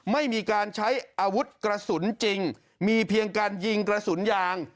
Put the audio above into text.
ไม่มีการใช้อาวุธกระสุนจริงมีเพียงการยิงกระสุนยาง